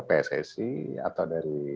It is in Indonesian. pssi atau dari